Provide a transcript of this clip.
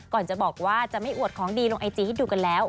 ก่อนจะบอกว่าจะไม่อวดของดีลงไอจีให้ดูกันแล้ว